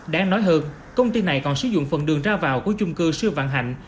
đáng nói hơn công ty này còn sử dụng phần đường ra vào của chung cư sư vạn hạnh